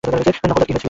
নকল দাঁত - কি হয়েছিল?